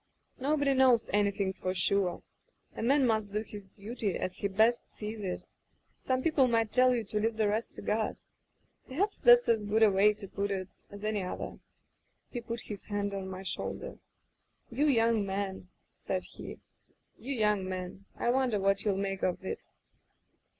Nobody knows anything for sure. A man must do his duty as he best sees it. Some peo ple might tell you to leave the rest to God. Perhaps that's as good a way to put it as any other.' He put his hand on my shoulder. 'You young men,' said he, 'you young men — I wonder what you'll make of it.'